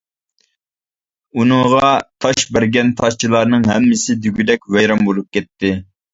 ئۇنىڭغا تاش بەرگەن تاشچىلارنىڭ ھەممىسى دېگۈدەك ۋەيران بولۇپ كەتتى.